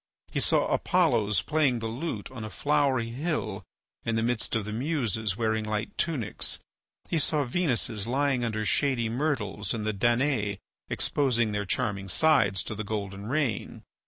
He saw Apollos playing the lute on a flowery hill, in the midst of the Muses wearing light tunics. He saw Venuses lying under shady myrtles and the Danae exposing their charming sides to the golden rain.